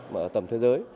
mà ở tầm thế giới